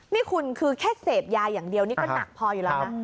นี่คุณคือแค่เสพยาอย่างเดียวนี่ก็หนักพออยู่แล้วนะ